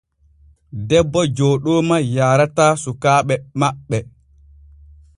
Debbo Jooɗooma yaarataa sukaaɓe maɓɓe.